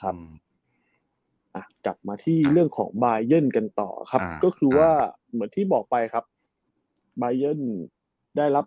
แม่นานละครับ